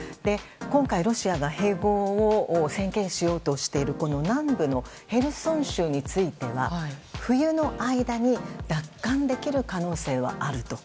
今回ロシアが併合を宣言しようとしている南部のヘルソン州については冬の間に奪還できる可能性があると。